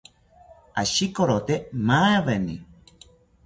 Ashikorote maaweni